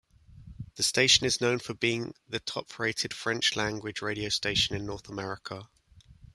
The station is known for being the top-rated French-language radio station in North America.